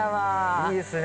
いいですね。